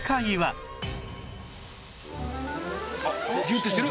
「ギューってしてる！